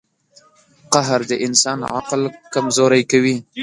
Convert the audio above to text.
• قهر د انسان عقل کمزوری کوي.